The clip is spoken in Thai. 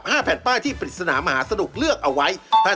จักรพอร์ตมหาสนุก๑๐๐๐๐๐บาท